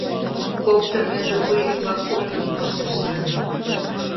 — Коктын мӧдывуй ӱмбак комдык пыштышна.